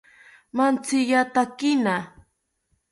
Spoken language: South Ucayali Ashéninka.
Mantziyatakina